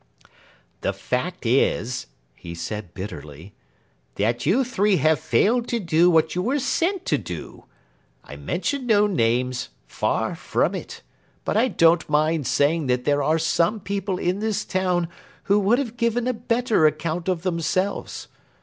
"The fact is," he said bitterly, "that you three have failed to do what you were sent to do. I mention no names far from it but I don't mind saying that there are some people in this town who would have given a better account of themselves.